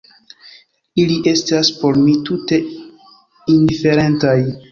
Ili estas por mi tute indiferentaj.